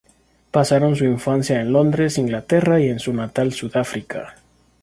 Pasaron su infancia en Londres, Inglaterra y en su natal Sudáfrica.